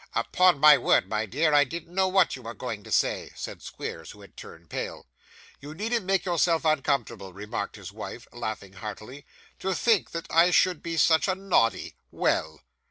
'Upon my word, my dear, I didn't know what you were going to say,' said Squeers, who had turned pale. 'You needn't make yourself uncomfortable,' remarked his wife, laughing heartily. 'To think that I should be such a noddy! Well!